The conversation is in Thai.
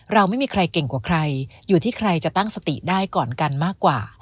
เราไม่มีใครเก่งกว่าใครอยู่ที่ใครจะตั้งสติได้ก่อนกันมากกว่า